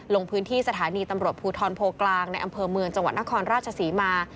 ลงพื้นที่สถานีตำรวจภูทรโพกลางในอำเภอเมืองจังหวัดนครราชศรีมา